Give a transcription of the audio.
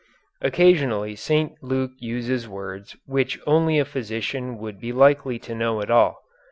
Occasionally St. Luke uses words which only a physician would be likely to know at all.